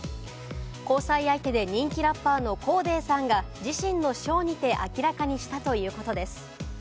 交際相手で人気ラッパーのコーデーさんが自身のショーにて明らかにしたということです。